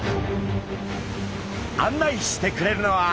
案内してくれるのは。